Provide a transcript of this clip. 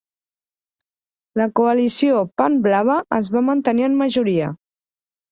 La Coalició Pan-Blava es va mantenir en majoria.